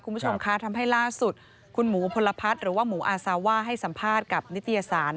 คุณผู้ชมคะทำให้ล่าสุดคุณหมูพลพัฒน์หรือว่าหมูอาซาว่าให้สัมภาษณ์กับนิตยสาร